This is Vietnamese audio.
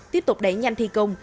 tiếp tục đẩy nhanh thi công